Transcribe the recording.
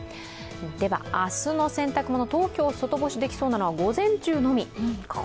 では明日の洗濯物、東京、外干しできそうなのは午前中のみ。